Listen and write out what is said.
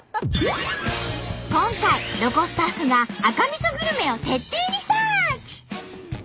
今回ロコスタッフが赤みそグルメを徹底リサーチ！